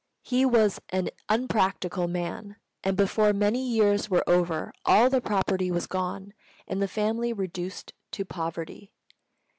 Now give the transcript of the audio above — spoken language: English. He was an unpractical man, and before many years were over all the property was gone and the family reduced to poverty.